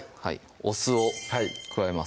お酢を加えます